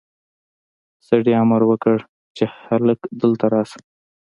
سړي امر وکړ چې هلک دلته راشه.